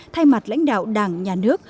thay mặt lãnh đạo đảng nhà nước